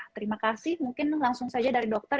terima kasih mungkin langsung saja dari dokter